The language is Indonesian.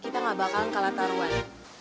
kita gak bakal kalah taruhan